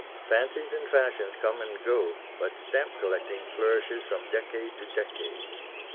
Fancies and fashions come and go, but stamp collecting flourishes from decade to decade.